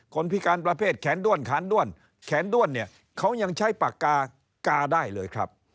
พิการประเภทแขนด้วนแขนด้วนแขนด้วนเนี่ยเขายังใช้ปากกากาได้เลยครับ